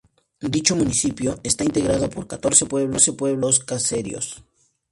Dicho municipio está integrado por catorce pueblos y dos caseríos.